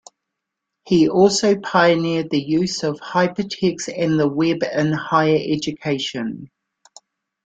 He also pioneered the use of hypertext and the web in higher education.